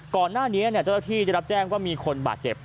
ก่อนหน้านี้เจ้าเจ้าที่ได้รับแจ้งว่ามีคนบาดเจ็บ